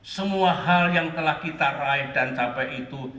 semua hal yang telah kita raih dan capai itu